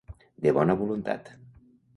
De bona voluntat.